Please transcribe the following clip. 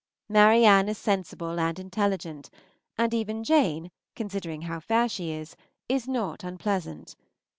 Marianne is sensible and intelligent; and even Jane, considering how fair she is, is not unpleasant.